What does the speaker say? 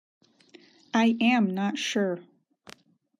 I am not sure.